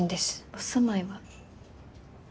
お住まいは？